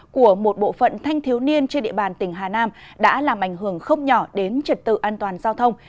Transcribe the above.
của một bộ phận thanh thiếu niên trên địa bàn tỉnh hà nam đã làm ảnh hưởng không nhỏ đến trật tự an toàn giao thông